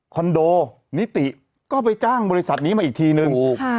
โดนิติก็ไปจ้างบริษัทนี้มาอีกทีนึง